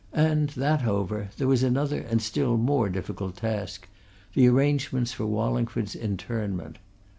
And that over, there was another and still more difficult task the arrangements for Wallingford's interment.